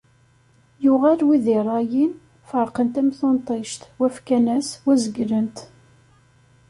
Yuɣal wid iṛṛayin, ferqen-t am tunṭict, wa fkan-as, wa zeglen-t.